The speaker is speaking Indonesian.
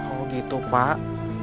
oh gitu pak